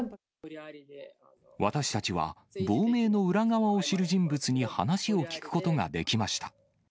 私たちは、亡命の裏側を知る人物に話を聞くことができました。